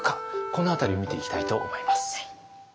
この辺りを見ていきたいと思います。